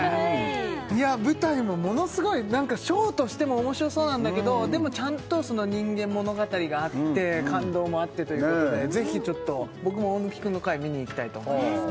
いや舞台もものすごい何かショーとしても面白そうなんだけどでもちゃんとその人間物語があって感動もあってということでぜひちょっと僕も大貫君の回見に行きたいと思いますね